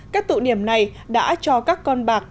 các tụ điểm này đã cho các con bạc